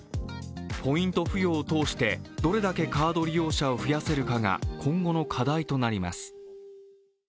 ポイント付与を通してどれだけカード利用者を増やせるかが今後の課題となります。